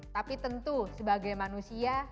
tapi tentu sebagai manusia